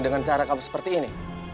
dengan cara kamu seperti ini